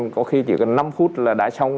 có khi chỉ cần năm phút là đã xong